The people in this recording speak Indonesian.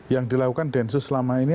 yang dilakukan densus selama ini